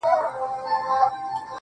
پرون دي بيا راڅه خوښي يووړله.